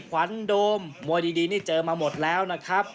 ขวัญโดมมวยดีนี่เจอมาหมดแล้วนะครับ